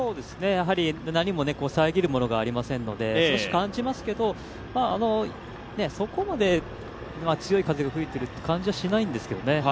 何も遮るものがありませんから少し感じますけど、そこまで強い風が吹いているという感じはしないんですけどね。